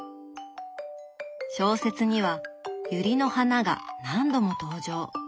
小説にはゆりの花が何度も登場。